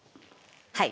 はい。